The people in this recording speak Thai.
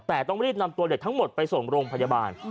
แต่ต้องรีบนำตัวเด็กทั้งหมดไปส่งโรงพยาบาล